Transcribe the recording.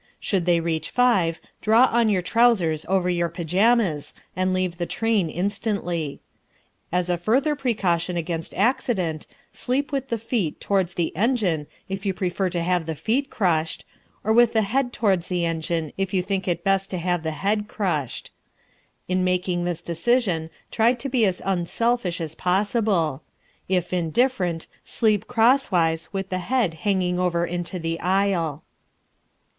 Should they reach five, draw on your trousers over your pyjamas and leave the train instantly. As a further precaution against accident, sleep with the feet towards the engine if you prefer to have the feet crushed, or with the head towards the engine, if you think it best to have the head crushed. In making this decision try to be as unselfish as possible. If indifferent, sleep crosswise with the head hanging over into the aisle.